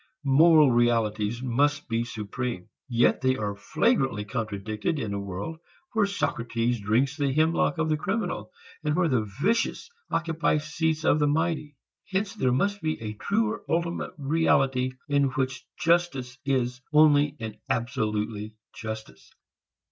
Moral realities must be supreme. Yet they are flagrantly contradicted in a world where a Socrates drinks the hemlock of the criminal, and where the vicious occupy the seats of the mighty. Hence there must be a truer ultimate reality in which justice is only and absolutely justice.